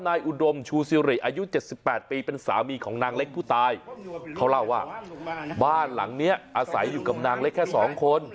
อุดมชูซิริอายุ๗๘ปีเป็นสามีของนางเล็กผู้ตายเขาเล่าว่าบ้านหลังนี้อาศัยอยู่กับนางเล็กแค่สองคน